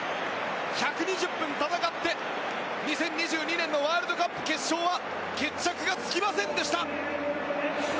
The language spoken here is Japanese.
１２０分戦って、２０２２年のワールドカップ決勝は決着がつきませんでした。